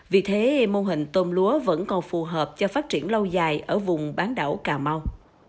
vì thế mô hình tôm lúa vẫn còn phù hợp cho phát triển lâu dài ở vùng bán đảo cà mau